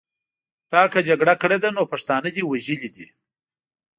تا که جګړه کړې ده نو پښتانه دې وژلي دي.